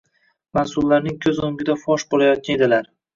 mas’ullarning ko‘z o‘ngida fosh bo‘layotgan edilar.